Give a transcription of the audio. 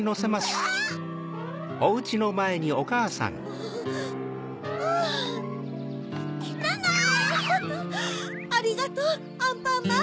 ありがとうアンパンマン！